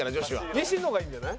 西野がいいんじゃない？